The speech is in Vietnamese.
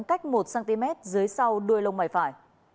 cách một cm dưới sau đuôi lông mảy phải